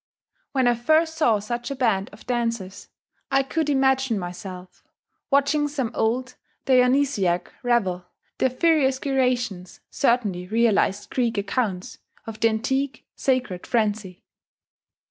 When I first saw such a band of dancers, I could imagine myself watching some old Dionysiac revel; their furious gyrations certainly realized Greek accounts of the antique sacred frenzy.